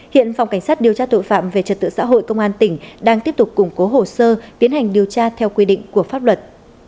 hiện phòng cảnh sát điều tra tội phạm về trật tự xã hội công an tỉnh đang tiếp tục củng cố hồ sơ tiến hành điều tra theo quy định của pháp luật